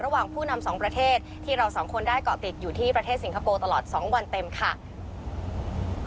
ผู้นำสองประเทศที่เราสองคนได้เกาะติดอยู่ที่ประเทศสิงคโปร์ตลอด๒วันเต็มค่ะ